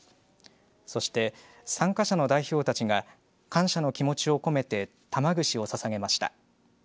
そして、参加者の代表たちが感謝の気持ちを込めて玉串をささげました。